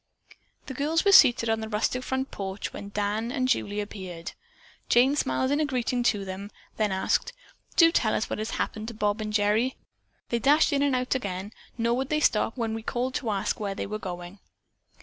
The girls were seated on the rustic front porch when Dan and Julie appeared. Jane smiled a greeting to them, then asked: "Do tell us what has happened to Bob and Gerry. They dashed in and out again, nor would they stop when we called to ask where they were going?"